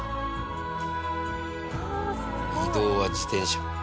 移動は自転車。